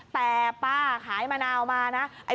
แต่ป้าขายมะนาวมานะ